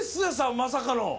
まさかの。